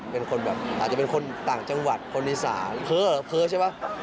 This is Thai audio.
เป็นคนอาจจะเป็นคนต่างจังหวัดคนในสารเผอเหรอเผอใช่ไหม